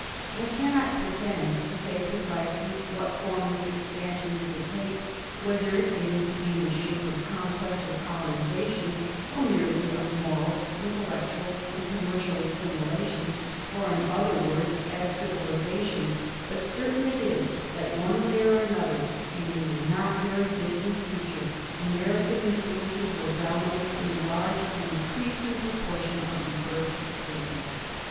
I cannot pretend to say precisely what form this expansion is to take, whether it is to be in the shape of conquest, of colonisation, or merely of moral, < intellectual, and commercial assimilation, or, in other words, as civilisation ; but certain it is that one OF TROPICAL DISEASES. 3 way or another, and in the not very distant future, American influences will dominate a large and increasing proportion of the earth's surface.